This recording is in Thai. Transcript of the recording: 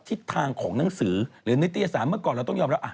ทิศทางของหนังสือหรือนิตยสารเมื่อก่อนเราต้องยอมรับ